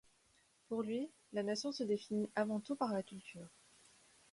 Pour lui, la nation se définit avant tout par la culture.